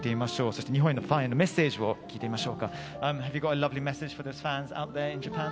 そして日本のファンへのメッセージを聞いてみましょう。